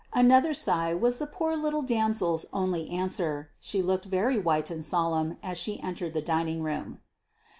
Another sigh was the poor little damsel's only answer. She looked very white and solemn as she entered the dining room.